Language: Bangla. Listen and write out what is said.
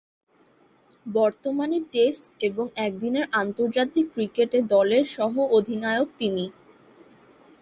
বর্তমানে টেস্ট এবং একদিনের আন্তর্জাতিক ক্রিকেটে দলের সহ-অধিনায়ক তিনি।